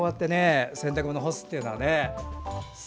洗濯物を干すっていうのはね。